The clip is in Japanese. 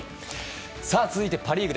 続いて、パ・リーグ。